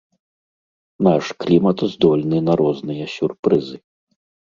Наш клімат здольны на розныя сюрпрызы.